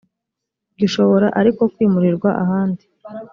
gishobora ariko kwimurirwa ahandi